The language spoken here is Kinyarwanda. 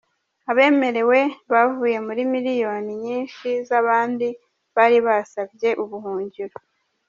Abemerewe bavuye muri miliyoni nyinshi z’abandi bari basabye ubuhungiro.